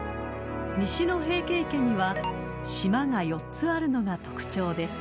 ［西の平家池には島が４つあるのが特徴です］